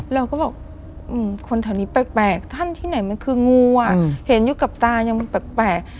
เราก็บอกคนแถวนี้แปลกท่านที่ไหนมันคืองูอ่ะเห็นอยู่กับตายังมันแปลก